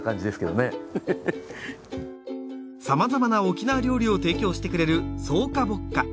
さまざまな沖縄料理を提供してくれる草花木果。